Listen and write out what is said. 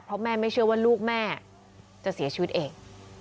เพราะแม่ไม่เชื่อว่าลูกแม่จะเสียชีวิตเอง